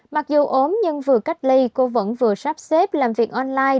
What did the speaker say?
mặc dù ốm nhưng vừa cách ly cô vẫn vừa sắp xếp làm việc online